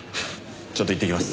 ちょっと行ってきます。